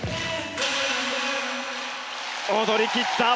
踊り切った！